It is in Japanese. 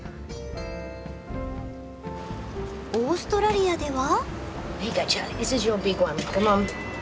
オーストラリアでは。